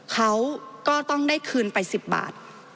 เขาก็ต้องได้คืนไป๑๐บาท